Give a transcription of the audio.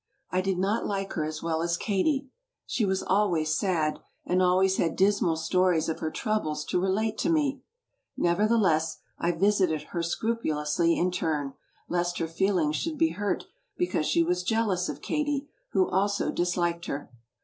I did not like her as well as Katie. She was always sad, and always had dismal stories of her troubles to relate to me; nevertheless, I visited her scrupulously in turn, lest her feelings should be hurt, because she was jealous of Kade, who also disliked her.